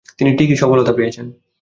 তিনি ঠিকই সফলতা পেয়েছেন।